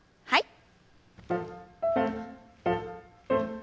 はい。